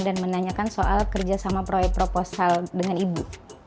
dan menanyakan soal kerja sama proyek proposal dengan ibu